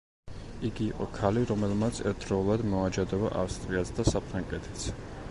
იგი იყო ქალი, რომელმაც ერთდროულად მოაჯადოვა ავსტრიაც და საფრანგეთიც.